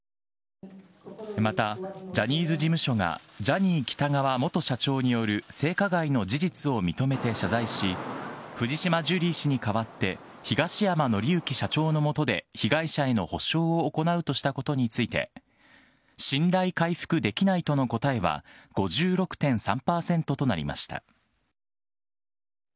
また、ジャニーズ事務所がジャニー喜多川元社長による性加害の事実を認めて謝罪し、藤島ジュリー氏に代わって東山紀之社長のもとで被害者への補償を行うとしたことについて、信頼回復できないとの答えは５６．３％となりました。